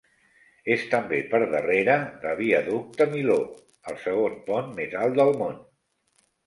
És també, per darrere de viaducte Millau, el segon pont més alt del món.